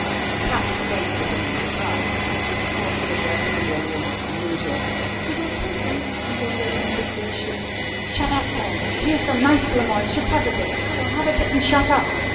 The cat gazed at him in surprise. This form of address from William was unusual. "Good ole Pussy!" went on William feverishly. "Shut up, then. Here's some nice blanc mange. Just have a bit. Go on, have a bit and shut up."